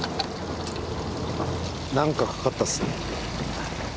何かかかったっすね。